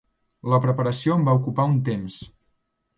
La preparació em va ocupar un temps.